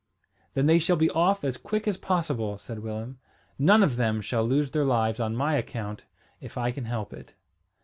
"Then they shall be off as quick as possible," said Willem. "None of them shall lose their lives on my account, if I can help it."